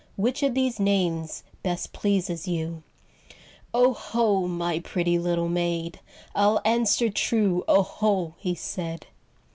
Which of these names best pleases you'?'' " 0 ho ! my pretty little maid. I'll answer true, 0 ho !" he said.